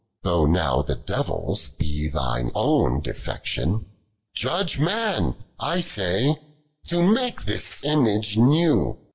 Though now the Devil's, by' thine own defection ; Judge man — I say — to moke this imago new.